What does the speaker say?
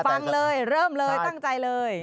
ฟังเลยเริ่มเลยตั้งใจเลย